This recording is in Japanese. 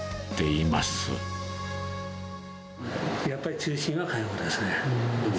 やっぱり中心は香代子ですね。